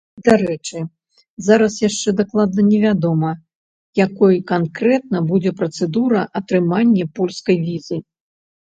Дарэчы, зараз яшчэ дакладна не вядома, якой канкрэтна будзе працэдура атрымання польскай візы.